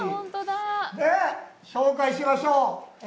紹介しましょう。